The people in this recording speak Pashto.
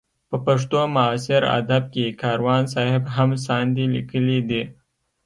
په پښتو معاصر ادب کې کاروان صاحب هم ساندې لیکلې دي.